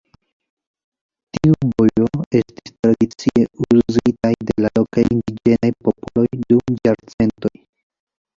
Tiu vojo estis tradicie uzitaj de la lokaj indiĝenaj popoloj dum jarcentoj.